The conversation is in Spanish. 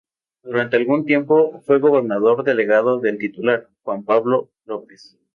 Durante algún tiempo fue gobernador delegado del titular, Juan Pablo López.